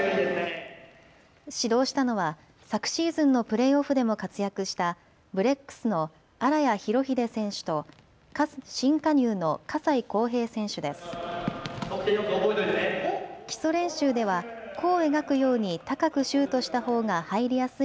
指導したのは昨シーズンのプレーオフでも活躍したブレックスの荒谷裕秀選手と新加入の笠井康平選手です。